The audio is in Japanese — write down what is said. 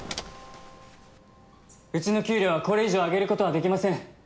うちの給料はこれ以上上げることはできません。